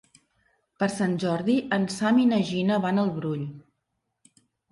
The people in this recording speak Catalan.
Per Sant Jordi en Sam i na Gina van al Brull.